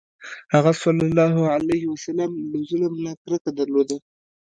هغه ﷺ له ظلم نه کرکه درلوده.